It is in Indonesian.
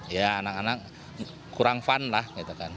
ya anak anak kurang fun lah gitu kan